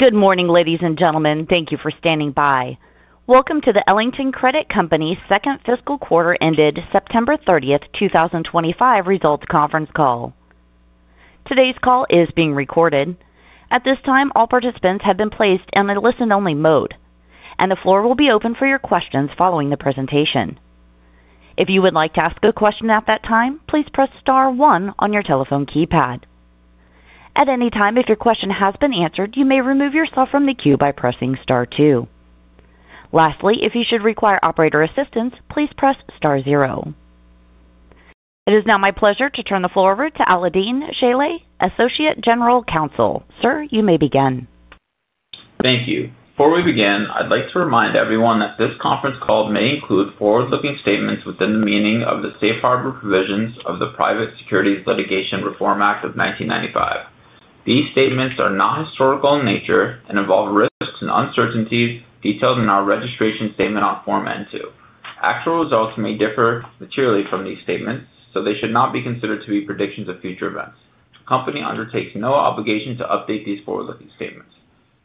Good morning, ladies and gentlemen. Thank you for standing by. Welcome to the Ellington Credit Company's second fiscal quarter-ended, September 30th, 2025 results conference call. Today's call is being recorded. At this time, all participants have been placed in a listen-only mode, and the floor will be open for your questions following the presentation. If you would like to ask a question at that time, please press star one on your telephone keypad. At any time, if your question has been answered, you may remove yourself from the queue by pressing star two. Lastly, if you should require operator assistance, please press star zero. It is now my pleasure to turn the floor over to Alaael-Deen Shilleh, Associate General Counsel. Sir, you may begin. Thank you. Before we begin, I'd like to remind everyone that this conference call may include forward-looking statements within the meaning of the Safe Harbor Provisions of the Private Securities Litigation Reform Act of 1995. These statements are not historical in nature and involve risks and uncertainties detailed in our registration statement on Form N2. Actual results may differ materially from these statements, so they should not be considered to be predictions of future events. The company undertakes no obligation to update these forward-looking statements.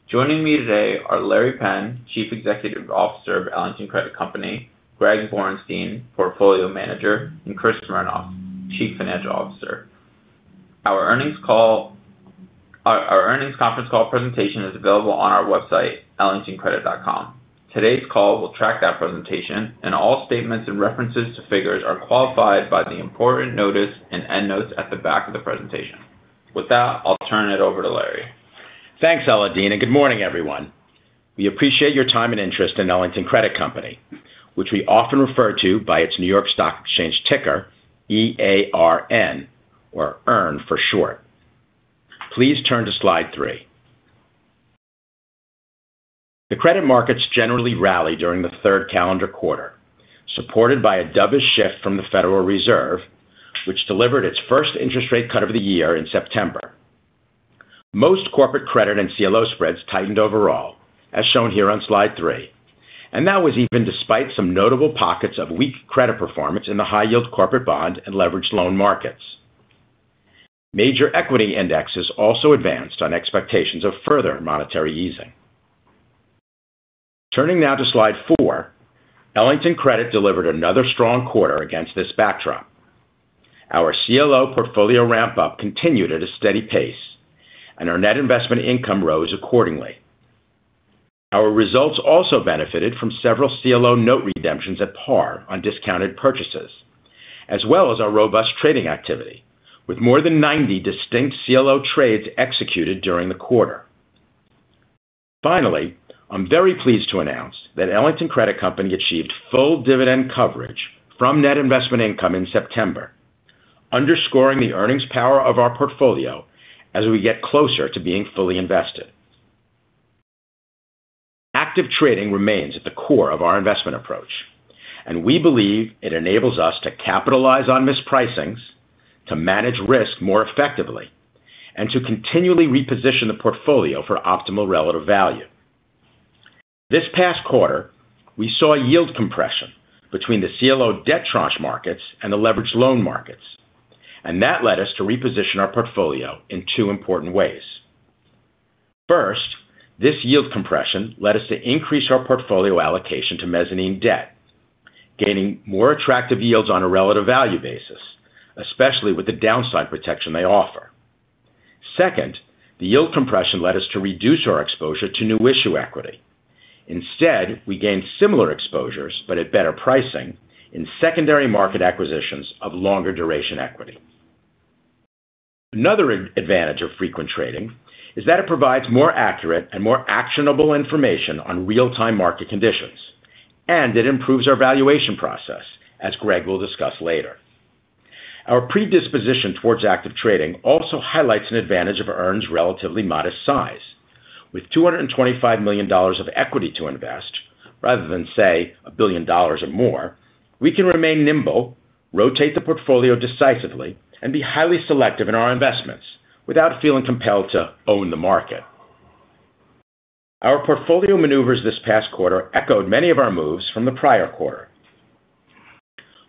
Joining me today are Larry Penn, Chief Executive Officer of Ellington Credit Company; Greg Borenstein, Portfolio Manager; and Chris Smernoff, Chief Financial Officer. Our earnings conference call presentation is available on our website, ellingtoncredit.com. Today's call will track that presentation, and all statements and references to figures are qualified by the important notice and end notes at the back of the presentation. With that, I'll turn it over to Larry. Thanks, Alaael-Deen. Good morning, everyone. We appreciate your time and interest in Ellington Credit Company, which we often refer to by its New York Stock Exchange ticker, EARN, or EARN for short. Please turn to slide three. The credit markets generally rallied during the third calendar quarter, supported by a dovish shift from the Federal Reserve, which delivered its first interest rate cut of the year in September. Most corporate credit and CLO spreads tightened overall, as shown here on slide three, and that was even despite some notable pockets of weak credit performance in the high-yield corporate bond and leveraged loan markets. Major equity indexes also advanced on expectations of further monetary easing. Turning now to slide four, Ellington Credit delivered another strong quarter against this backdrop. Our CLO portfolio ramp-up continued at a steady pace, and our net investment income rose accordingly. Our results also benefited from several CLO note redemptions at par on discounted purchases, as well as our robust trading activity, with more than 90 distinct CLO trades executed during the quarter. Finally, I'm very pleased to announce that Ellington Credit Company achieved full dividend coverage from net investment income in September, underscoring the earnings power of our portfolio as we get closer to being fully invested. Active trading remains at the core of our investment approach, and we believe it enables us to capitalize on mispricings, to manage risk more effectively, and to continually reposition the portfolio for optimal relative value. This past quarter, we saw yield compression between the CLO debt tranche markets and the leveraged loan markets, and that led us to reposition our portfolio in two important ways. First, this yield compression led us to increase our portfolio allocation to mezzanine debt, gaining more attractive yields on a relative value basis, especially with the downside protection they offer. Second, the yield compression led us to reduce our exposure to new issue equity. Instead, we gained similar exposures but at better pricing in secondary market acquisitions of longer duration equity. Another advantage of frequent trading is that it provides more accurate and more actionable information on real-time market conditions, and it improves our valuation process, as Greg will discuss later. Our predisposition towards active trading also highlights an advantage of EARN's relatively modest size. With $225 million of equity to invest, rather than, say, a billion dollars or more, we can remain nimble, rotate the portfolio decisively, and be highly selective in our investments without feeling compelled to own the market. Our portfolio maneuvers this past quarter echoed many of our moves from the prior quarter.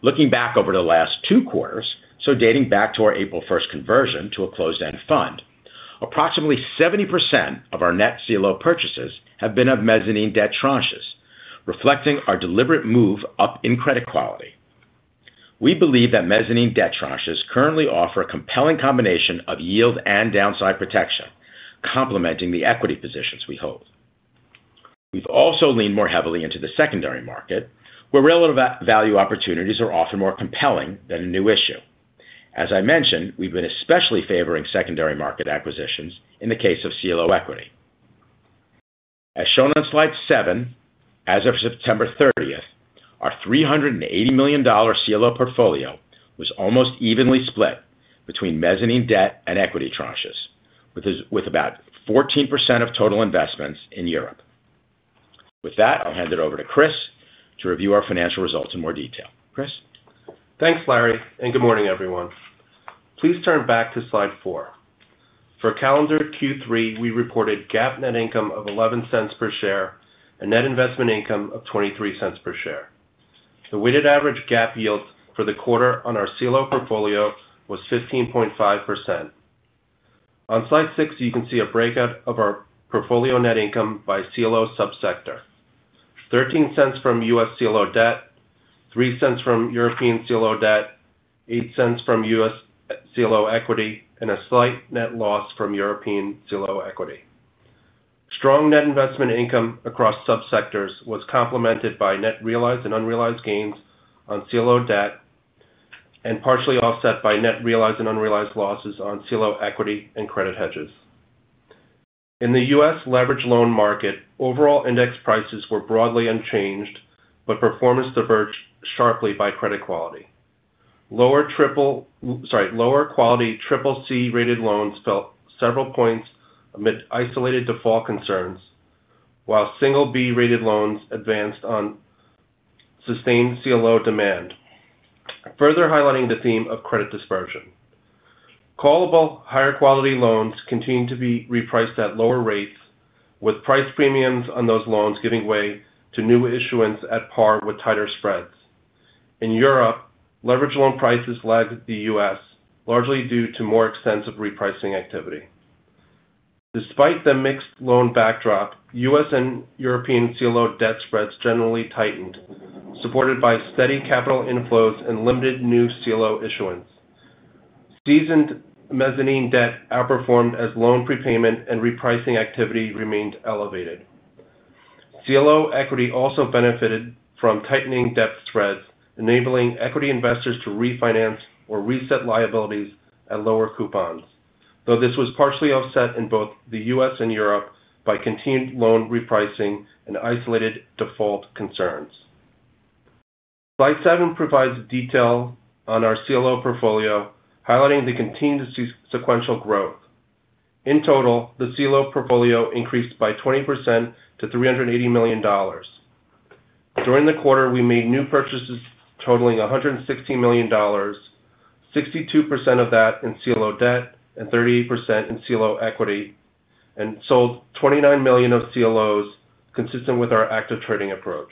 Looking back over the last two quarters, so dating back to our April 1st conversion to a closed-end fund, approximately 70% of our net CLO purchases have been of mezzanine debt tranches, reflecting our deliberate move up in credit quality. We believe that mezzanine debt tranches currently offer a compelling combination of yield and downside protection, complementing the equity positions we hold. We've also leaned more heavily into the secondary market, where relative value opportunities are often more compelling than a new issue. As I mentioned, we've been especially favoring secondary market acquisitions in the case of CLO equity. As shown on slide seven, as of September 30th, our $380 million CLO portfolio was almost evenly split between mezzanine debt and equity tranches, with about 14% of total investments in Europe. With that, I'll hand it over to Chris to review our financial results in more detail. Chris. Thanks, Larry. Good morning, everyone. Please turn back to slide four. For calendar Q3, we reported GAAP net income of $0.11 per share and net investment income of $0.23 per share. The weighted average GAAP yield for the quarter on our CLO portfolio was 15.5%. On slide six, you can see a breakout of our portfolio net income by CLO subsector: $0.13 from U.S. CLO debt, $0.03 from European CLO debt, $0.08 from U.S. CLO equity, and a slight net loss from European CLO equity. Strong net investment income across subsectors was complemented by net realized and unrealized gains on CLO debt and partially offset by net realized and unrealized losses on CLO equity and credit hedges. In the U.S. leveraged loan market, overall index prices were broadly unchanged, but performance diverged sharply by credit quality. Lower quality CCC-rated loans fell several points amid isolated default concerns, while single B-rated loans advanced on sustained CLO demand, further highlighting the theme of credit dispersion. Callable higher quality loans continue to be repriced at lower rates, with price premiums on those loans giving way to new issuance at par with tighter spreads. In Europe, leveraged loan prices lag the U.S., largely due to more extensive repricing activity. Despite the mixed loan backdrop, U.S. and European CLO debt spreads generally tightened, supported by steady capital inflows and limited new CLO issuance. Seasoned mezzanine debt outperformed as loan prepayment and repricing activity remained elevated. CLO equity also benefited from tightening debt spreads, enabling equity investors to refinance or reset liabilities at lower coupons, though this was partially offset in both the U.S. and Europe by continued loan repricing and isolated default concerns. Slide seven provides detail on our CLO portfolio, highlighting the continued sequential growth. In total, the CLO portfolio increased by 20% to $380 million. During the quarter, we made new purchases totaling $116 million, 62% of that in CLO debt and 38% in CLO equity, and sold $29 million of CLOs, consistent with our active trading approach.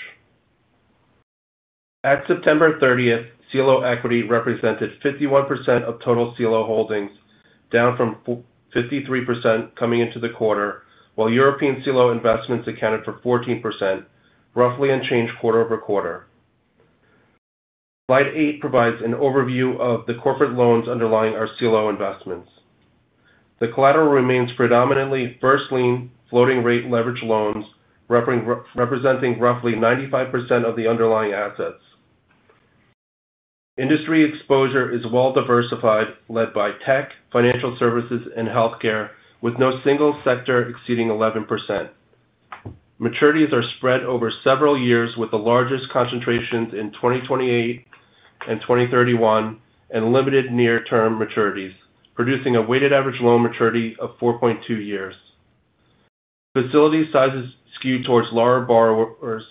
At September 30th, CLO equity represented 51% of total CLO holdings, down from 53% coming into the quarter, while European CLO investments accounted for 14%, roughly unchanged quarter-over-quarter. Slide eight provides an overview of the corporate loans underlying our CLO investments. The collateral remains predominantly first lien, floating rate leveraged loans, representing roughly 95% of the underlying assets. Industry exposure is well diversified, led by tech, financial services, and healthcare, with no single sector exceeding 11%. Maturities are spread over several years, with the largest concentrations in 2028 and 2031, and limited near-term maturities, producing a weighted average loan maturity of 4.2 years. Facility sizes skew towards large borrowers,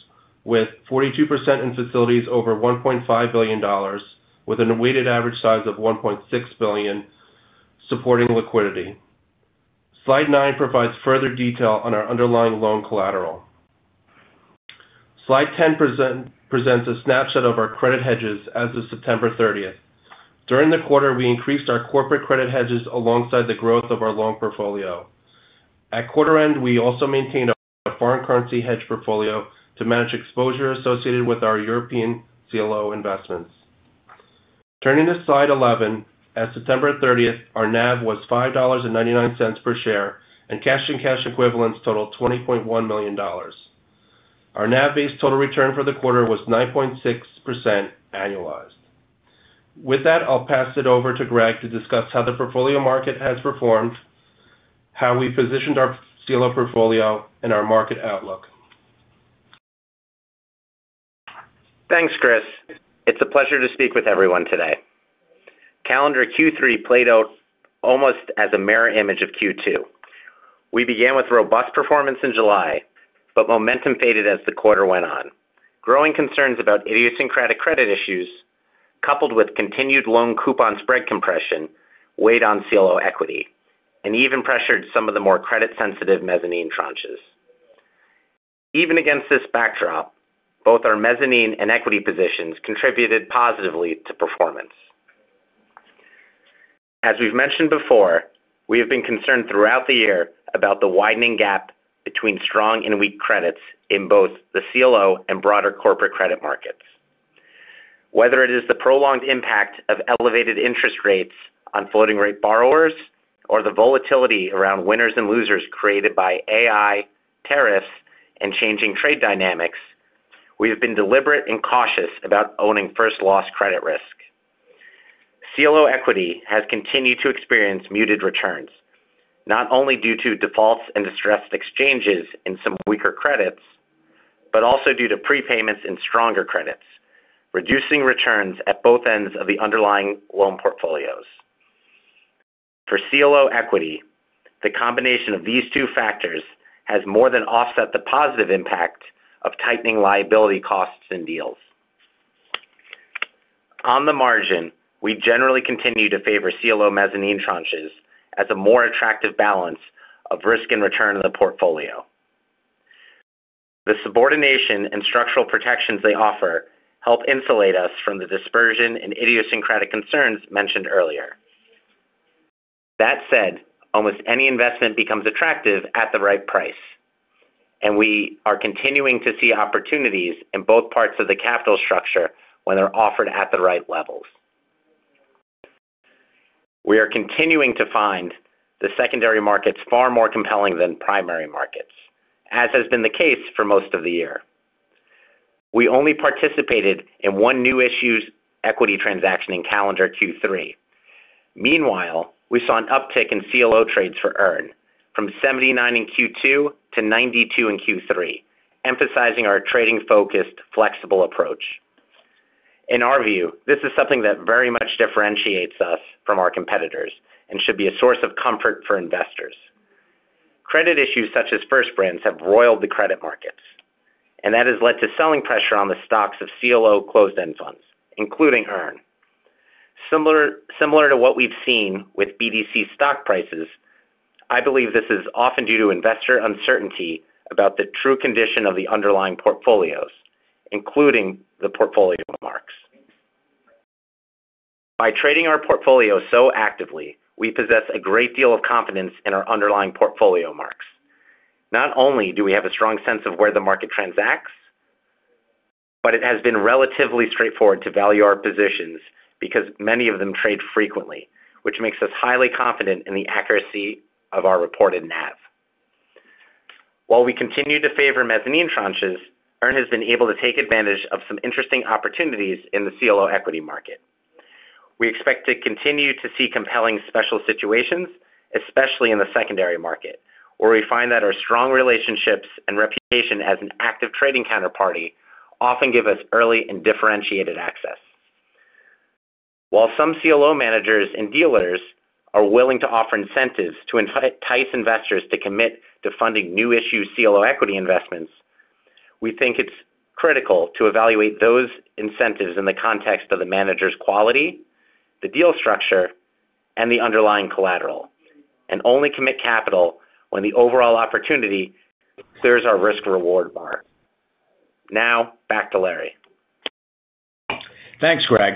with 42% in facilities over $1.5 billion, with a weighted average size of $1.6 billion, supporting liquidity. Slide nine provides further detail on our underlying loan collateral. Slide 10 presents a snapshot of our credit hedges as of September 30th. During the quarter, we increased our corporate credit hedges alongside the growth of our loan portfolio. At quarter end, we also maintained a foreign currency hedge portfolio to manage exposure associated with our European CLO investments. Turning to slide 11, as of September 30th, our NAV was $5.99 per share, and cash and cash equivalents totaled $20.1 million. Our NAV-based total return for the quarter was 9.6% annualized. With that, I'll pass it over to Greg to discuss how the portfolio market has performed, how we positioned our CLO portfolio, and our market outlook. Thanks, Chris. It's a pleasure to speak with everyone today. Calendar Q3 played out almost as a mirror image of Q2. We began with robust performance in July, but momentum faded as the quarter went on. Growing concerns about idiosyncratic credit issues, coupled with continued loan coupon spread compression, weighed on CLO equity and even pressured some of the more credit-sensitive mezzanine tranches. Even against this backdrop, both our mezzanine and equity positions contributed positively to performance. As we've mentioned before, we have been concerned throughout the year about the widening gap between strong and weak credits in both the CLO and broader corporate credit markets. Whether it is the prolonged impact of elevated interest rates on floating rate borrowers or the volatility around winners and losers created by AI, tariffs, and changing trade dynamics, we have been deliberate and cautious about owning first-loss credit risk. CLO equity has continued to experience muted returns, not only due to defaults and distressed exchanges in some weaker credits, but also due to prepayments in stronger credits, reducing returns at both ends of the underlying loan portfolios. For CLO equity, the combination of these two factors has more than offset the positive impact of tightening liability costs and deals. On the margin, we generally continue to favor CLO mezzanine tranches as a more attractive balance of risk and return in the portfolio. The subordination and structural protections they offer help insulate us from the dispersion and idiosyncratic concerns mentioned earlier. That said, almost any investment becomes attractive at the right price, and we are continuing to see opportunities in both parts of the capital structure when they're offered at the right levels. We are continuing to find the secondary markets far more compelling than primary markets, as has been the case for most of the year. We only participated in one new issue's equity transaction in calendar Q3. Meanwhile, we saw an uptick in CLO trades for EARN from 79 in Q2 to 92 in Q3, emphasizing our trading-focused, flexible approach. In our view, this is something that very much differentiates us from our competitors and should be a source of comfort for investors. Credit issues such as First Brands have roiled the credit markets, and that has led to selling pressure on the stocks of CLO closed-end funds, including EARN. Similar to what we've seen with BDC stock prices, I believe this is often due to investor uncertainty about the true condition of the underlying portfolios, including the portfolio marks. By trading our portfolio so actively, we possess a great deal of confidence in our underlying portfolio marks. Not only do we have a strong sense of where the market transacts, but it has been relatively straightforward to value our positions because many of them trade frequently, which makes us highly confident in the accuracy of our reported NAV. While we continue to favor mezzanine tranches, EARN has been able to take advantage of some interesting opportunities in the CLO equity market. We expect to continue to see compelling special situations, especially in the secondary market, where we find that our strong relationships and reputation as an active trading counterparty often give us early and differentiated access. While some CLO managers and dealers are willing to offer incentives to entice investors to commit to funding new issue CLO equity investments, we think it's critical to evaluate those incentives in the context of the manager's quality, the deal structure, and the underlying collateral, and only commit capital when the overall opportunity clears our risk-reward bar. Now, back to Larry. Thanks, Greg.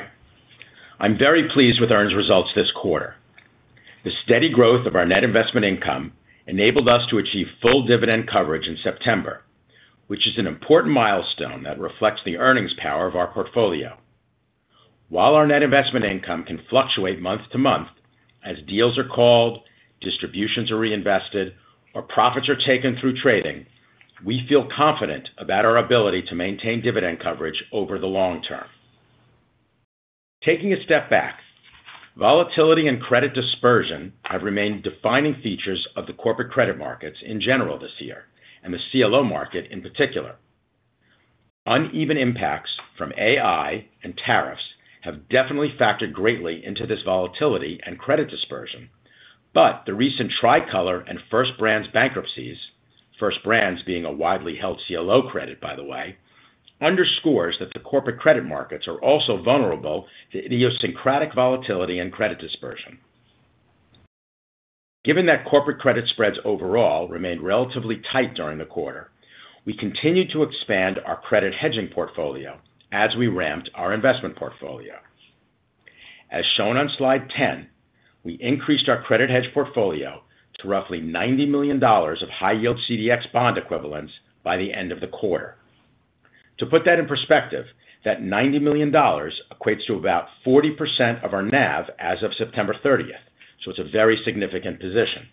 I'm very pleased with EARN's results this quarter. The steady growth of our net investment income enabled us to achieve full dividend coverage in September, which is an important milestone that reflects the earnings power of our portfolio. While our net investment income can fluctuate month to month as deals are called, distributions are reinvested, or profits are taken through trading, we feel confident about our ability to maintain dividend coverage over the long term. Taking a step back, volatility and credit dispersion have remained defining features of the corporate credit markets in general this year and the CLO market in particular. Uneven impacts from AI and tariffs have definitely factored greatly into this volatility and credit dispersion, but the recent Tricolor and First Brands bankruptcies, First Brands being a widely held CLO credit, by the way, underscores that the corporate credit markets are also vulnerable to idiosyncratic volatility and credit dispersion. Given that corporate credit spreads overall remained relatively tight during the quarter, we continued to expand our credit hedging portfolio as we ramped our investment portfolio. As shown on slide 10, we increased our credit hedge portfolio to roughly $90 million of high-yield CDX bond equivalents by the end of the quarter. To put that in perspective, that $90 million equates to about 40% of our NAV as of September 30th, so it's a very significant position.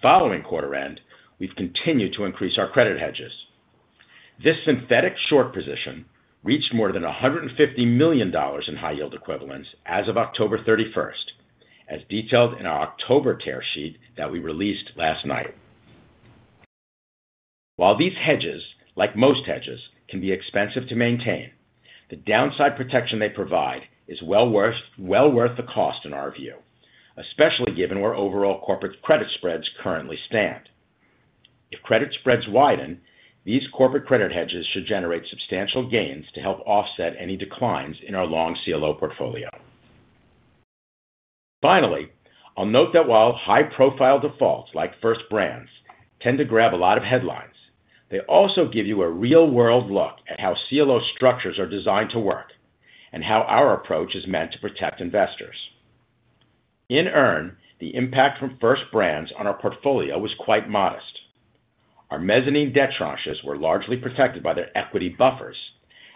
Following quarter end, we've continued to increase our credit hedges. This synthetic short position reached more than $150 million in high-yield equivalents as of October 31st, as detailed in our October tear sheet that we released last night. While these hedges, like most hedges, can be expensive to maintain, the downside protection they provide is well worth the cost in our view, especially given where overall corporate credit spreads currently stand. If credit spreads widen, these corporate credit hedges should generate substantial gains to help offset any declines in our long CLO portfolio. Finally, I'll note that while high-profile defaults like First Brands tend to grab a lot of headlines, they also give you a real-world look at how CLO structures are designed to work and how our approach is meant to protect investors. In EARN, the impact from First Brands on our portfolio was quite modest. Our mezzanine debt tranches were largely protected by their equity buffers,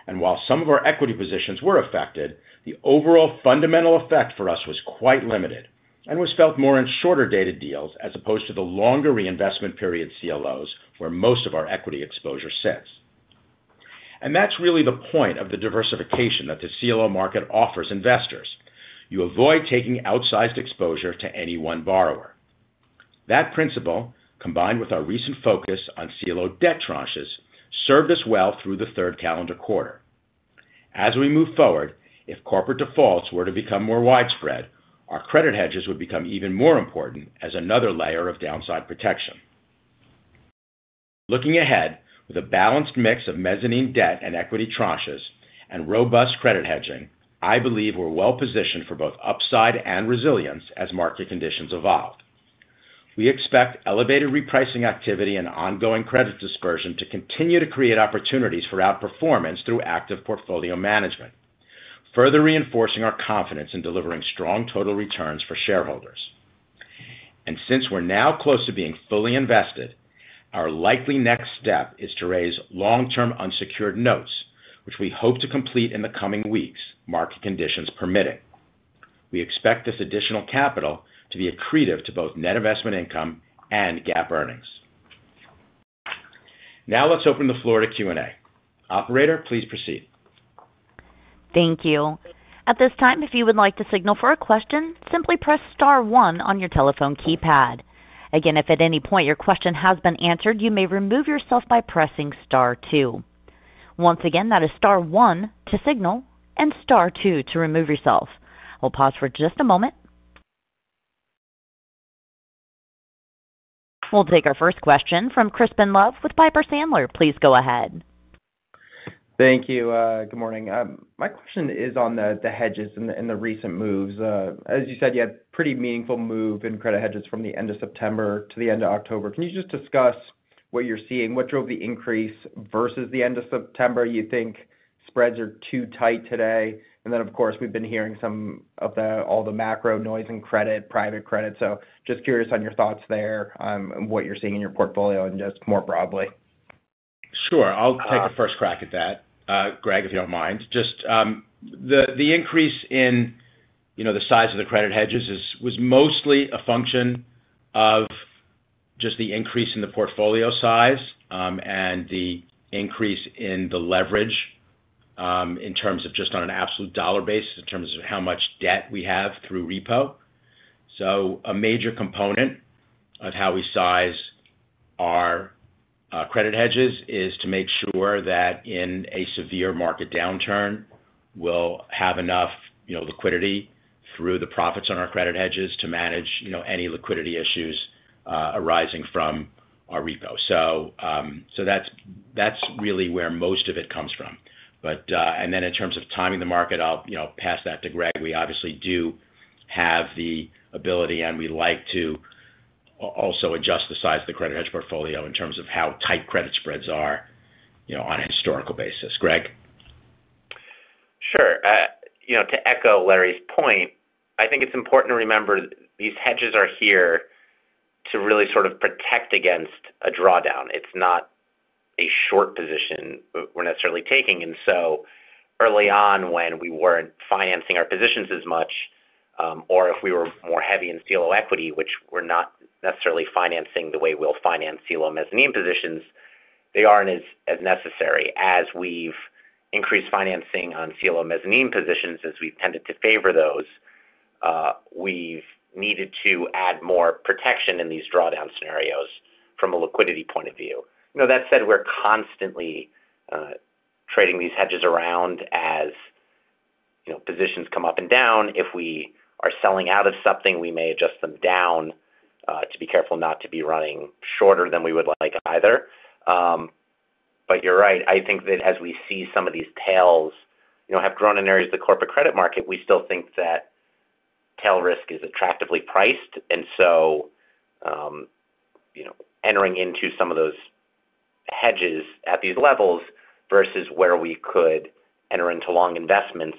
and while some of our equity positions were affected, the overall fundamental effect for us was quite limited and was felt more in shorter-dated deals as opposed to the longer reinvestment period CLOs where most of our equity exposure sits. That is really the point of the diversification that the CLO market offers investors. You avoid taking outsized exposure to any one borrower. That principle, combined with our recent focus on CLO debt tranches, served us well through the third calendar quarter. As we move forward, if corporate defaults were to become more widespread, our credit hedges would become even more important as another layer of downside protection. Looking ahead with a balanced mix of mezzanine debt and equity tranches and robust credit hedging, I believe we are well positioned for both upside and resilience as market conditions evolve. We expect elevated repricing activity and ongoing credit dispersion to continue to create opportunities for outperformance through active portfolio management, further reinforcing our confidence in delivering strong total returns for shareholders. Since we're now close to being fully invested, our likely next step is to raise long-term unsecured notes, which we hope to complete in the coming weeks, market conditions permitting. We expect this additional capital to be accretive to both net investment income and GAAP earnings. Now, let's open the floor to Q&A. Operator, please proceed. Thank you. At this time, if you would like to signal for a question, simply press star on on your telephone keypad. Again, if at any point your question has been answered, you may remove yourself by pressing star two. Once again, that is star one to signal and star two to remove yourself. We'll pause for just a moment. We'll take our first question from Crispin Love with Piper Sandler. Please go ahead. Thank you. Good morning. My question is on the hedges and the recent moves. As you said, you had a pretty meaningful move in credit hedges from the end of September to the end of October. Can you just discuss what you're seeing? What drove the increase versus the end of September? You think spreads are too tight today? Of course, we've been hearing some of all the macro noise in credit, private credit. Just curious on your thoughts there and what you're seeing in your portfolio and just more broadly. Sure. I'll take a first crack at that, Greg, if you don't mind. Just the increase in the size of the credit hedges was mostly a function of just the increase in the portfolio size and the increase in the leverage in terms of just on an absolute dollar base, in terms of how much debt we have through repo. A major component of how we size our credit hedges is to make sure that in a severe market downturn, we'll have enough liquidity through the profits on our credit hedges to manage any liquidity issues arising from our repo. That's really where most of it comes from. In terms of timing the market, I'll pass that to Greg. We obviously do have the ability, and we like to also adjust the size of the credit hedge portfolio in terms of how tight credit spreads are on a historical basis. Greg? Sure. To echo Larry's point, I think it's important to remember these hedges are here to really sort of protect against a drawdown. It's not a short position we're necessarily taking. Early on, when we weren't financing our positions as much, or if we were more heavy in CLO equity, which we're not necessarily financing the way we'll finance CLO mezzanine positions, they aren't as necessary. As we've increased financing on CLO mezzanine positions, as we've tended to favor those, we've needed to add more protection in these drawdown scenarios from a liquidity point of view. That said, we're constantly trading these hedges around as positions come up and down. If we are selling out of something, we may adjust them down to be careful not to be running shorter than we would like either. You're right. I think that as we see some of these tails have grown in areas of the corporate credit market, we still think that tail risk is attractively priced. Entering into some of those hedges at these levels versus where we could enter into long investments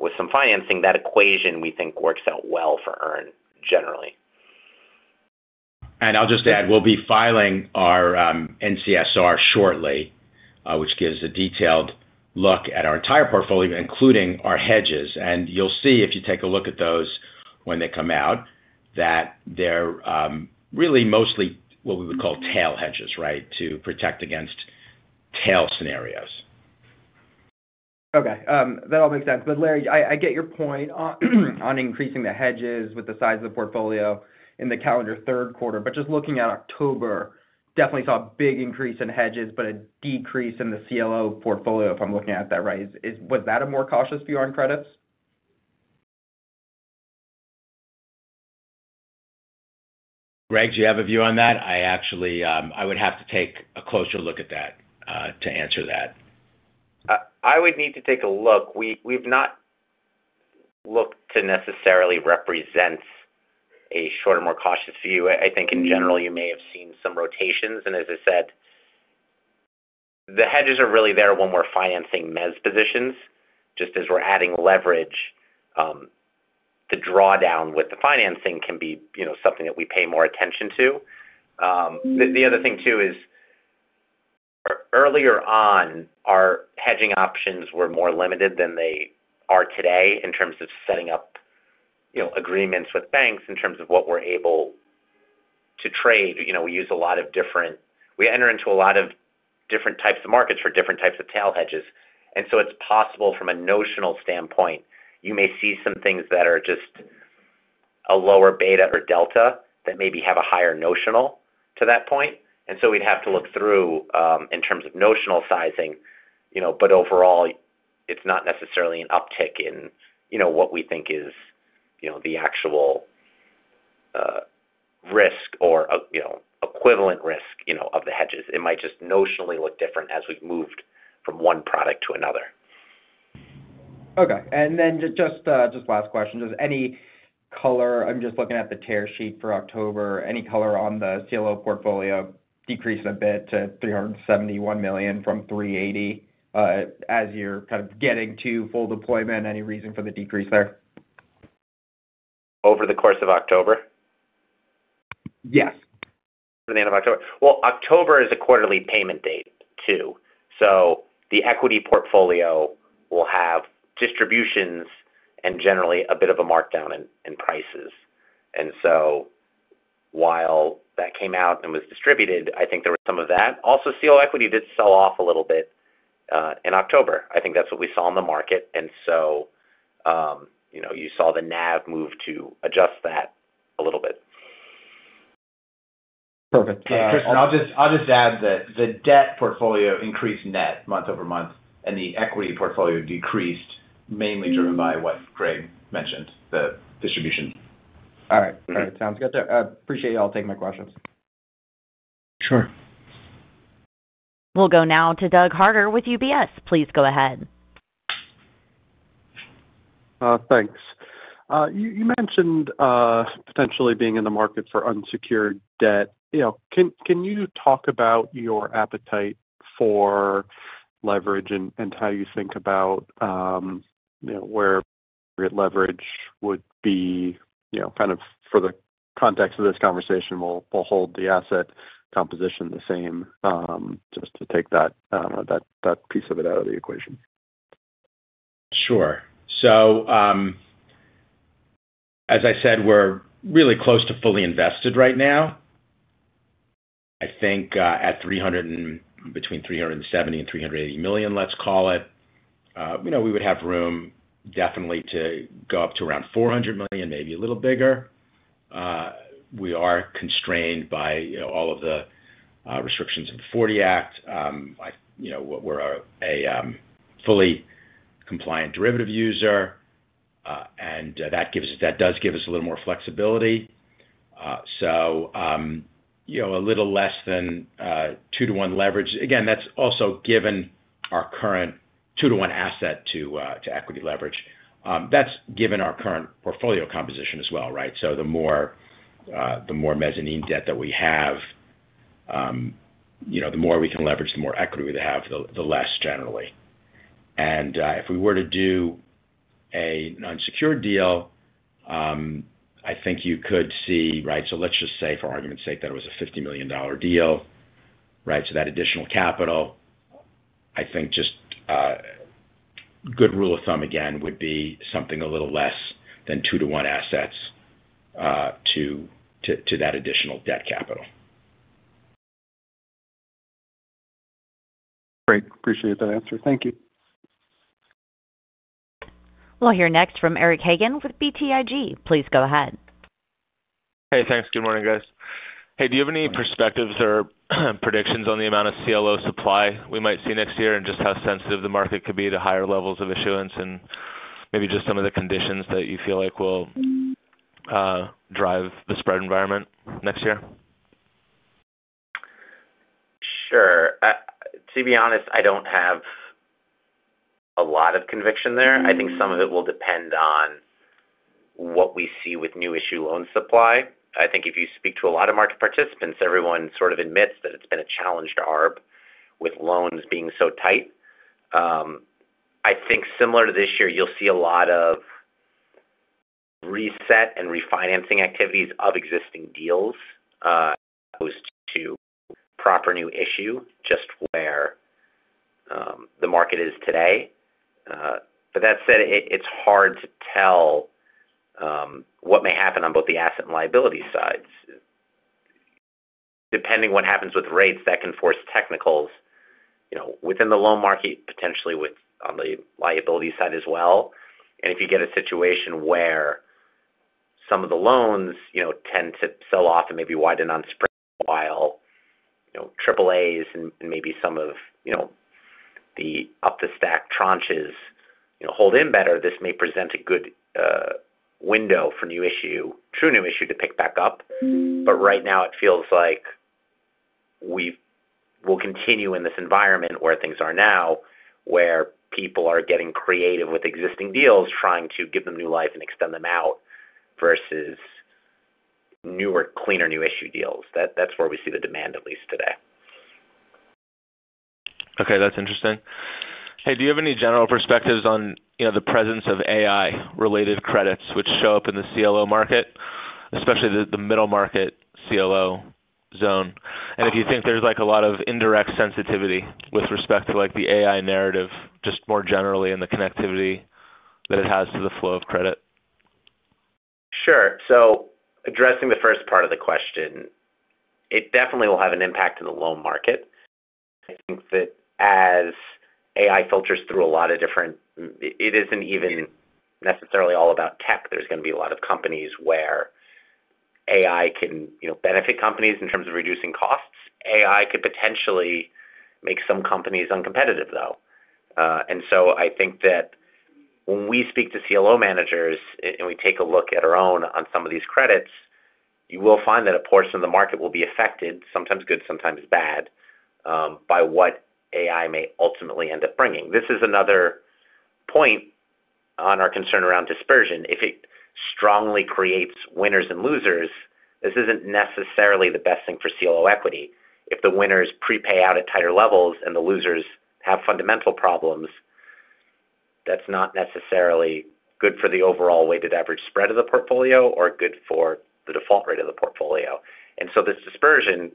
with some financing, that equation, we think, works out well for EARN generally. I'll just add, we'll be filing our NCSR shortly, which gives a detailed look at our entire portfolio, including our hedges. You'll see if you take a look at those when they come out that they're really mostly what we would call tail hedges, right, to protect against tail scenarios. Okay. That all makes sense. Larry, I get your point on increasing the hedges with the size of the portfolio in the calendar third quarter. Just looking at October, definitely saw a big increase in hedges, but a decrease in the CLO portfolio, if I'm looking at that right. Was that a more cautious view on credits? Greg, do you have a view on that? I would have to take a closer look at that to answer that. I would need to take a look. We've not looked to necessarily represent a shorter, more cautious view. I think in general, you may have seen some rotations. As I said, the hedges are really there when we're financing mez positions. Just as we're adding leverage, the drawdown with the financing can be something that we pay more attention to. The other thing too is earlier on, our hedging options were more limited than they are today in terms of setting up agreements with banks in terms of what we're able to trade. We use a lot of different, we enter into a lot of different types of markets for different types of tail hedges. It is possible from a notional standpoint, you may see some things that are just a lower beta or delta that maybe have a higher notional to that point. We'd have to look through in terms of notional sizing. Overall, it's not necessarily an uptick in what we think is the actual risk or equivalent risk of the hedges. It might just notionally look different as we've moved from one product to another. Okay. And then just last question. Does any color, I'm just looking at the tear sheet for October, any color on the CLO portfolio decrease a bit to $371 million from $380 million as you're kind of getting to full deployment? Any reason for the decrease there? Over the course of October? Yes. Over the end of October? October is a quarterly payment date too. The equity portfolio will have distributions and generally a bit of a markdown in prices. While that came out and was distributed, I think there was some of that. Also, CLO equity did sell off a little bit in October. I think that's what we saw in the market. You saw the NAV move to adjust that a little bit. Perfect. I'll just add that the debt portfolio increased net month over month, and the equity portfolio decreased mainly driven by what Greg mentioned, the distribution. All right. Sounds good there. Appreciate y'all taking my questions. Sure. We'll go now to Doug Harter with UBS. Please go ahead. Thanks. You mentioned potentially being in the market for unsecured debt. Can you talk about your appetite for leverage and how you think about where leverage would be kind of for the context of this conversation? We'll hold the asset composition the same just to take that piece of it out of the equation. Sure. As I said, we're really close to fully invested right now. I think at between $370 million and $380 million, let's call it, we would have room definitely to go up to around $400 million, maybe a little bigger. We are constrained by all of the restrictions of the 40 Act. We're a fully compliant derivative user, and that does give us a little more flexibility. A little less than 2 to 1 leverage. Again, that's also given our current 2-1 asset to equity leverage. That's given our current portfolio composition as well, right? The more mezzanine debt that we have, the more we can leverage, the more equity we have, the less generally. If we were to do an unsecured deal, I think you could see, right? Let's just say for argument's sake that it was a $50 million deal, right? That additional capital, I think just good rule of thumb again would be something a little less than 2-1 assets to that additional debt capital. Great. Appreciate that answer. Thank you. We'll hear next from Eric Hagen with BTIG. Please go ahead. Hey, thanks. Good morning, guys. Hey, do you have any perspectives or predictions on the amount of CLO supply we might see next year and just how sensitive the market could be to higher levels of issuance and maybe just some of the conditions that you feel like will drive the spread environment next year? Sure. To be honest, I don't have a lot of conviction there. I think some of it will depend on what we see with new issue loan supply. I think if you speak to a lot of market participants, everyone sort of admits that it's been a challenge to ARB with loans being so tight. I think similar to this year, you'll see a lot of reset and refinancing activities of existing deals as opposed to proper new issue just where the market is today. That said, it's hard to tell what may happen on both the asset and liability sides. Depending on what happens with rates, that can force technicals within the loan market, potentially on the liability side as well. If you get a situation where some of the loans tend to sell off and maybe widen on spreads while AAAs and maybe some of the up-the-stack tranches hold in better, this may present a good window for new issue, true new issue to pick back up. Right now, it feels like we'll continue in this environment where things are now, where people are getting creative with existing deals, trying to give them new life and extend them out versus newer, cleaner new issue deals. That's where we see the demand at least today. Okay. That's interesting. Hey, do you have any general perspectives on the presence of AI-related credits which show up in the CLO market, especially the middle market CLO zone? If you think there's a lot of indirect sensitivity with respect to the AI narrative just more generally and the connectivity that it has to the flow of credit. Sure. Addressing the first part of the question, it definitely will have an impact in the loan market. I think that as AI filters through a lot of different, it isn't even necessarily all about tech. There's going to be a lot of companies where AI can benefit companies in terms of reducing costs. AI could potentially make some companies uncompetitive, though. I think that when we speak to CLO managers and we take a look at our own on some of these credits, you will find that a portion of the market will be affected, sometimes good, sometimes bad, by what AI may ultimately end up bringing. This is another point on our concern around dispersion. If it strongly creates winners and losers, this isn't necessarily the best thing for CLO equity. If the winners prepay out at tighter levels and the losers have fundamental problems, that's not necessarily good for the overall weighted average spread of the portfolio or good for the default rate of the portfolio. This dispersion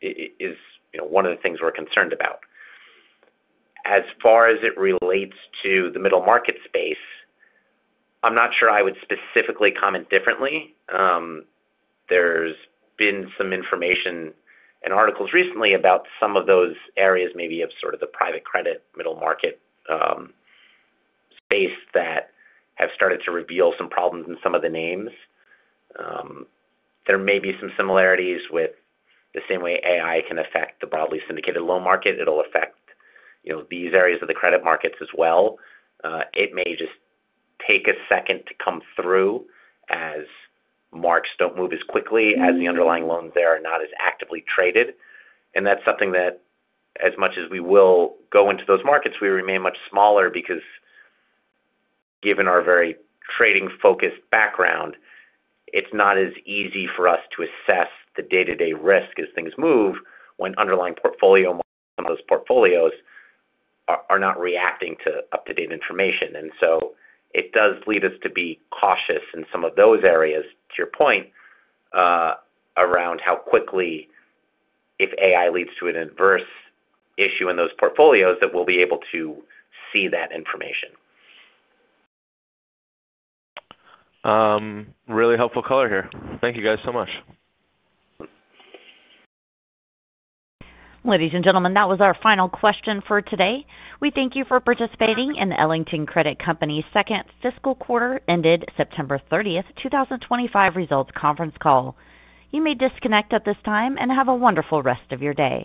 is one of the things we're concerned about. As far as it relates to the middle market space, I'm not sure I would specifically comment differently. There's been some information and articles recently about some of those areas, maybe of sort of the private credit middle market space that have started to reveal some problems in some of the names. There may be some similarities with the same way AI can affect the broadly syndicated loan market. It'll affect these areas of the credit markets as well. It may just take a second to come through as marks do not move as quickly as the underlying loans that are not as actively traded. That is something that, as much as we will go into those markets, we remain much smaller because given our very trading-focused background, it is not as easy for us to assess the day-to-day risk as things move when underlying portfolio models in those portfolios are not reacting to up-to-date information. It does lead us to be cautious in some of those areas, to your point, around how quickly, if AI leads to an adverse issue in those portfolios, that we will be able to see that information. Really helpful color here. Thank you guys so much. Ladies and gentlemen, that was our final question for today. We thank you for participating in the Ellington Credit Company's second fiscal quarter-ended September 30th, 2025 results conference call. You may disconnect at this time and have a wonderful rest of your day.